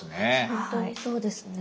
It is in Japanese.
本当にそうですね。